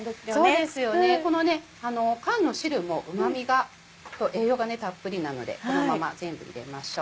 そうですよねこの缶の汁もうまみが栄養がたっぷりなのでこのまま全部入れましょう。